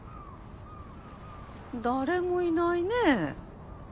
誰もいないね。